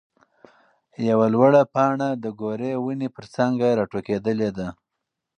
يوه لوړه پاڼه د ګورې ونې پر څانګه راټوکېدلې ده.